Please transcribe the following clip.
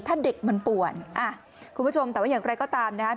ถ้าเด็กมันป่วนคุณผู้ชมแต่ว่าอย่างไรก็ตามนะครับ